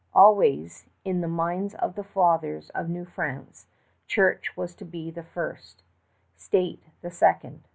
Always, in the minds of the fathers of New France, Church was to be first; State, second.